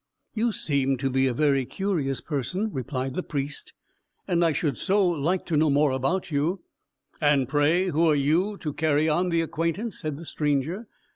"You seem to be a very curious person," replied the Priest "and I should like to know more about you." "And pray who are you, to carry on the acquaintance?" said the stranger.